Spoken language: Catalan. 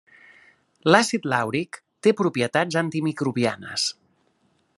L'àcid làuric té propietats antimicrobianes.